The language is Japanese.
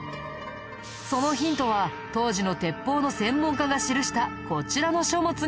そのヒントは当時の鉄砲の専門家が記したこちらの書物にあったんだ。